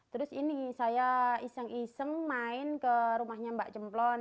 terus ini saya iseng iseng main ke rumahnya mbak jemplon